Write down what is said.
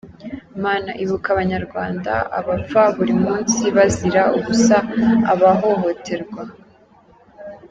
Mana ibuka abanyarwanda, abapfa buri munsi bazira ubusa abahohoterwa.